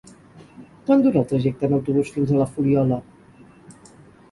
Quant dura el trajecte en autobús fins a la Fuliola?